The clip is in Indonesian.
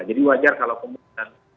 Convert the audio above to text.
jadi wajar kalau kemudian